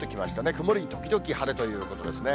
曇り時々晴れということですね。